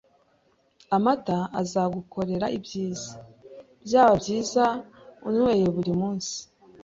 Amata azagukorera ibyiza. Byaba byiza unyweye buri munsi.